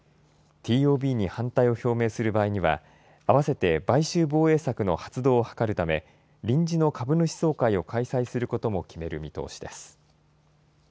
ＴＯＢに反対を表明する場合にはあわせて買収防衛策の発動を諮るため臨時の株主総会を開催することも決める見通しです。